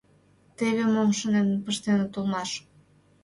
Теве мом шонен пыштеныт улмаш.